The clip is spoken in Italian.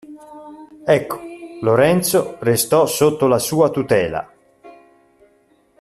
Ecco, Lorenzo restò sotto la sua tutela.